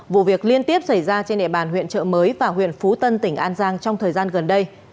vụ việc liên tiếp xảy ra trên địa bàn huyện trợ mới và huyện phú tân tỉnh an giang trong thời gian gần đây